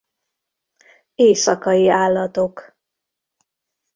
Éjszakai állatok.